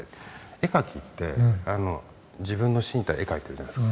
絵描きって自分の身体で絵を描いてるじゃないですか。